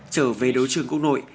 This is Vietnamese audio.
trở về đấu trường quốc nội